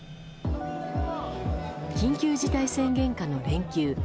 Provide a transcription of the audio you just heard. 緊急事態宣言下の連休。